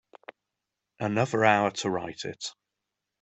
Another hour to write it.